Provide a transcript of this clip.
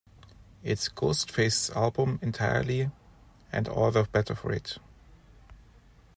It's Ghostface's album entirely and all the better for it.